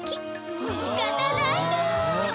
しかたないの。